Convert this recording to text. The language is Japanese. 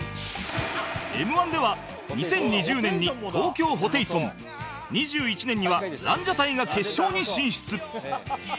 Ｍ−１ では２０２０年に東京ホテイソン２０２１年にはランジャタイが決勝に進出